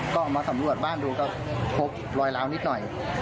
ก็มาสำรวจบ้านดูก็พบรอยล้าวนิดหน่อย